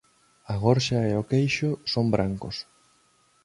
A gorxa e o queixo son brancos.